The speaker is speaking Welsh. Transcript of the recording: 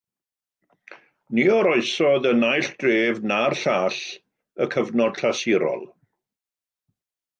Ni oroesodd y naill dref na'r llall y cyfnod clasurol.